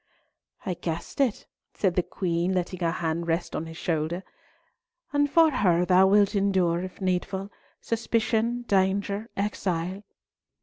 "I guessed it," said the Queen, letting her hand rest on his shoulder. "And for her thou wilt endure, if needful, suspicion, danger, exile?"